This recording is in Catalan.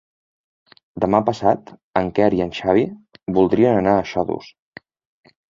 Demà passat en Quer i en Xavi voldrien anar a Xodos.